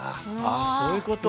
ああそういうこと。